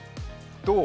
どう？